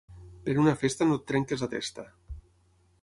Per una festa no et trenquis la testa.